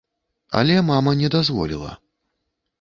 Але мама не дазволіла.